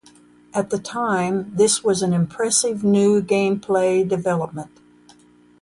At the time, this was an impressive new gameplay development.